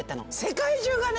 世界中がね。